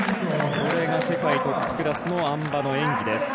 これが世界トップクラスのあん馬の演技です。